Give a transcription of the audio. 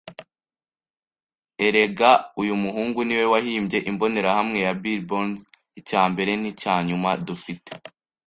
Erega uyu muhungu niwe wahimbye imbonerahamwe ya Billy Bones. Icyambere nicyanyuma, dufite